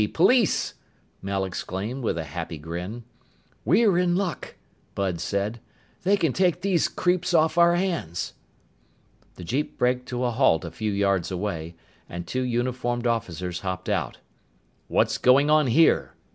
Police!" Mel exclaimed with a happy grin. "We're in luck," Bud said. "They can take these creeps off our hands." The jeep braked to a halt a few yards away, and two uniformed officers hopped out. "What's going on here?"